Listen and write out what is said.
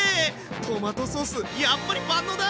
トマトソースやっぱり万能だ！